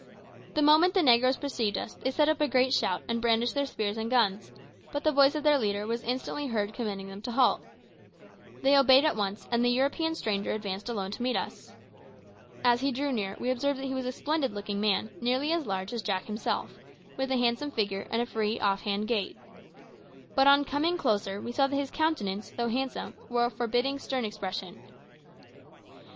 The moment the negroes perceived us, they set up a great shout and brandished their spears and guns, but the voice of their leader was instantly heard commanding them to halt. They obeyed at once, and the European stranger advanced alone to meet us. As he drew near we observed that he was a splendid looking man, nearly as large as Jack himself, with a handsome figure and a free, off hand gait. But on coming closer we saw that his countenance, though handsome, wore a forbidding, stern expression.